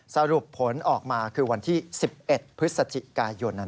สรุปผลออกมาคือวันที่๑๑พฤศจิกายน